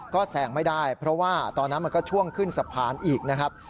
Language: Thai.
ก็แซงไม่ได้เพราะว่าตอนนั้นมันก็ช่วงขึ้นสะพานอีกนะครับ